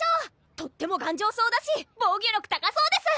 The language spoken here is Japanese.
とっても頑丈そうだし防御力高そうです！